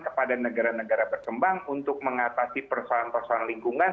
kepada negara negara berkembang untuk mengatasi persoalan persoalan lingkungan